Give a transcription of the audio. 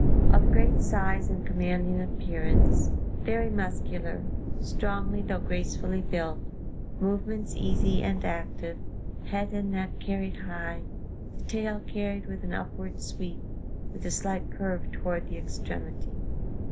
Of great size and commanding appearance, very muscular, strongly though gracefully built; movements easy and active, head and neck carried high; the tail carried with an upward sweep, with a slight curve toward the extremity.